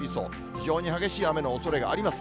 非常に激しい雨のおそれがあります。